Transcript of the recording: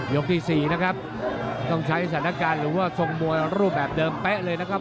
ที่๔นะครับต้องใช้สถานการณ์หรือว่าทรงมวยรูปแบบเดิมเป๊ะเลยนะครับ